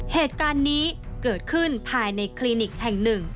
เหตุการณ์นี้เกิดขึ้นภายในคลินิกแห่งหนึ่ง